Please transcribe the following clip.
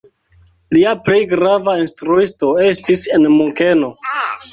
Lia plej grava instruisto estis en Munkeno.